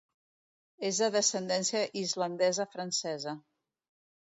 És de descendència islandesa-francesa.